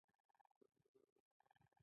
زه له افغانستان سره ډېره زیاته مینه لرم.